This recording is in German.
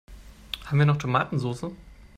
Haben wir noch Tomatensoße?